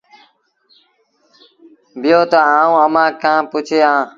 بيٚهو تا آئوٚݩ اَمآݩ کآݩ پُڇي آن۔